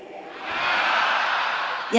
tsm ini ada apa tidak